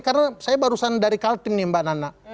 karena saya barusan dari kaltim nih mbak nana